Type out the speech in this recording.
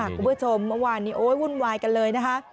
คุณผู้ชมเมื่อวานนี้โอ๊ยวุ่นวายกันเลยนะคะ